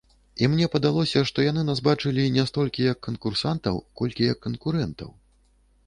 І мне падалося, што нас яны бачылі не столькі як канкурсантаў, колькі як канкурэнтаў.